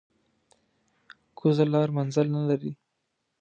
کوږه لار منزل نه لري